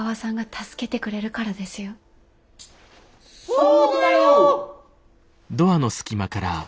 そうだよ！